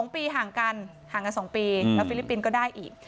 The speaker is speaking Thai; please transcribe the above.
๒ปีห่างกันแล้วฟิลิปปินส์ก็ได้อีก